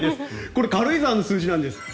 これ、軽井沢の数字なんです。